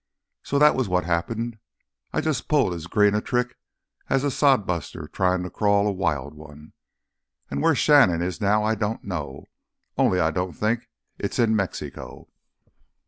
So—that was what happened. I jus' pulled as green a trick as a sod buster tryin' to crawl a wild one! An' where Shannon is now I don't know—only I don't think it's in Mexico."